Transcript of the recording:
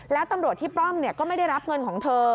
แล้วตำรวจที่ป้อมก็ไม่ได้รับเงินของเธอ